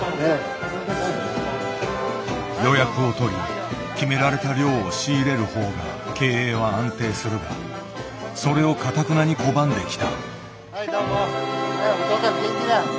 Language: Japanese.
予約を取り決められた量を仕入れる方が経営は安定するがそれをかたくなに拒んできた。